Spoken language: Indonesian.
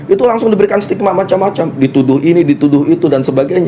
itu langsung diberikan stigma macam macam dituduh ini dituduh itu dan sebagainya